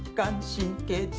神経痛！？